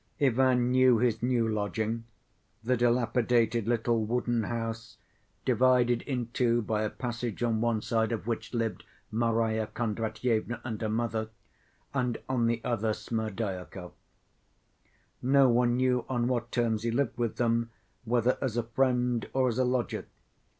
Ivan knew his new lodging, the dilapidated little wooden house, divided in two by a passage on one side of which lived Marya Kondratyevna and her mother, and on the other, Smerdyakov. No one knew on what terms he lived with them, whether as a friend or as a lodger.